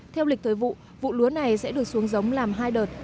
theo lịch thời vụ vụ lúa này sẽ được xuống giống làm hai đợt